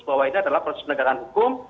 bahwa ini adalah proses penegakan hukum